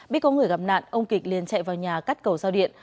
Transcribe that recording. biết có người gặp nạn ông kịch liền chạy vào nhà cắt cầu giao điện